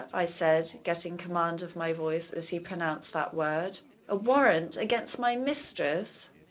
I said, getting command of my voice as he pronounced that word "a warrant against my mistress!"